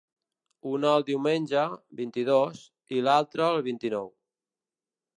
Una el diumenge, vint-i-dos, i l’altra el vint-i-nou.